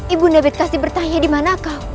ibu ndebetkasi bertanya dimana kau